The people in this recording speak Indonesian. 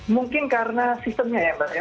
mungkin karena sistemnya ya mbak ya